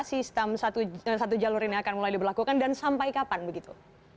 sistem dan satu jalur ini akan mulai diberlakukan dan sampai kapan begitu